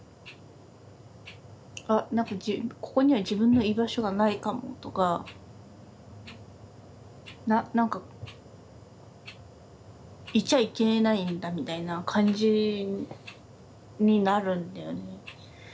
あ何かここには自分の居場所がないかもとか何かいちゃいけないんだみたいな感じになるんだよね。